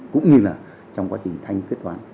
cũng như là trong quá trình thanh kết toán